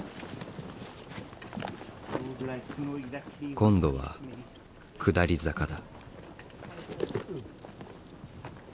今度は下り坂だ。